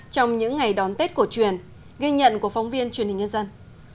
trong những ngày đón tết cổ truyền ghi nhận của phóng viên truyền hình nhân dân